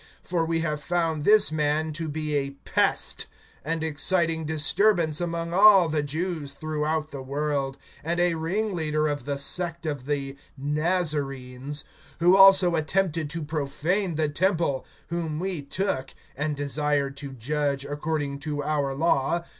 (5)For we have found this man to be a pest, and exciting disturbance among all the Jews throughout the world, and a ringleader of the sect of the Nazarenes; (6)who also attempted to profane the temple; whom we took, [24:6][and desired to judge according to our law.